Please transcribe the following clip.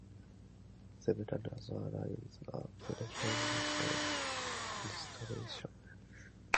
Several other lines are proposed for restoration.